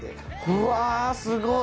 うわっすごい！